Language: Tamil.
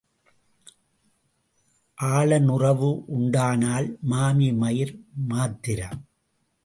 ஆளன் உறவு உண்டானால் மாமி மயிர் மாத்திரம்.